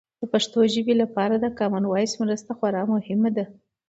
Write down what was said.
د پښتو ژبې لپاره د کامن وایس مرسته خورا مهمه ده.